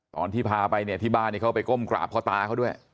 ตอนที่พาไปเนี่ยที่บ้านนี้เขาไปก้มกราบพ่อตาเขาด้วย